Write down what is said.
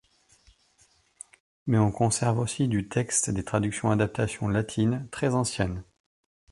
Mais on conserve aussi du texte des traductions-adaptations latines très anciennes.